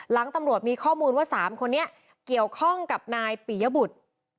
หลังตำรวจมีข้อมูลว่า๓คนนี้เกี่ยวข้องกับนายปียบุตร